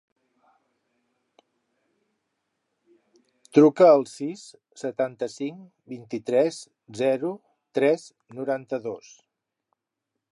Truca al sis, setanta-cinc, vint-i-tres, zero, tres, noranta-dos.